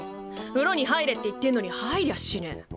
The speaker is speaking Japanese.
風呂に入れって言ってんのに入りゃしねぇ。